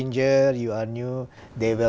nó rất thú vị